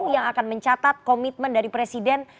yang akan mencatat komitmen dari presiden